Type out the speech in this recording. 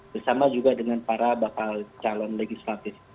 bersama juga dengan para bakal calon legislatif